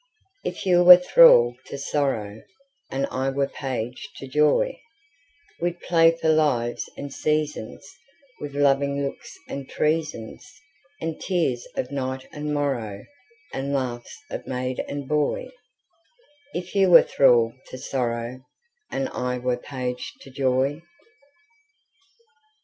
If you were thrall to sorrow, And I were page to joy, We'd play for lives and seasonsWith loving looks and treasonsAnd tears of night and morrowAnd laughs of maid and boy; If you were thrall to sorrow, And I were page to joy.